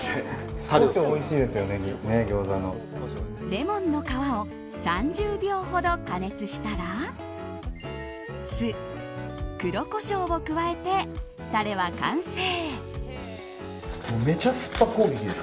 レモンの皮を３０秒ほど加熱したら酢、黒コショウを加えてタレは完成。